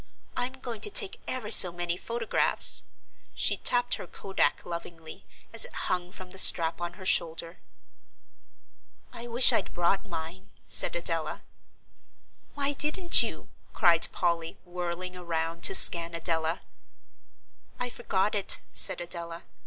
"I'm going to take ever so many photographs." She tapped her kodak lovingly, as it hung from the strap on her shoulder. "I wish I'd brought mine," said Adela. "Why didn't you?" cried Polly, whirling around to scan Adela. "I forgot it," said Adela.